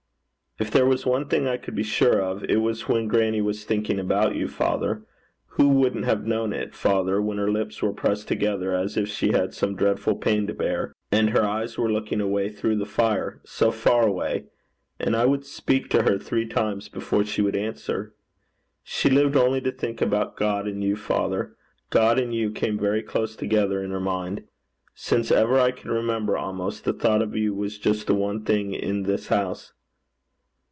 'If there was one thing I could be sure of, it was when grannie was thinking about you, father. Who wouldn't have known it, father, when her lips were pressed together, as if she had some dreadful pain to bear, and her eyes were looking away through the fire so far away! and I would speak to her three times before she would answer? She lived only to think about God and you, father. God and you came very close together in her mind. Since ever I can remember, almost, the thought of you was just the one thing in this house.'